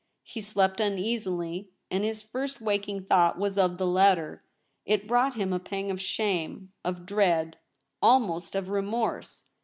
He slept uneasily, and his first waking thought was of the letter. It brought him a pang of shame, of dread. 246 THE REBEL ROSE. almost of remorse.